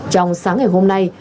trong sáng ngày hôm nay